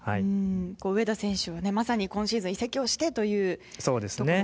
上田選手はまさに今シーズン移籍をしてというところですもんね。